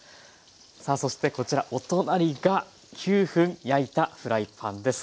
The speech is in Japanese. さあそしてこちらお隣が９分焼いたフライパンです。